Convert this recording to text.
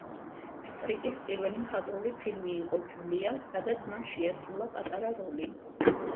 სტრიპის პირველი მხატვრული ფილმი იყო „ჯულია“, სადაც მან შეასრულა პატარა როლი.